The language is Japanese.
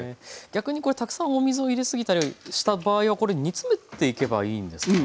逆にこれたくさんお水を入れ過ぎたりした場合は煮詰めていけばいいんですか？